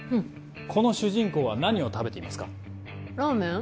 この主人公は何を食べていますか？